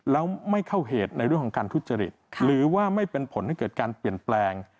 แล้วไม่เข้าเหตุในเรื่องของการทุจริตหรือว่าไม่เป็นผลให้เกิดการเปลี่ยนแปลง